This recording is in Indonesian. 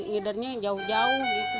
ngidarnya jauh jauh gitu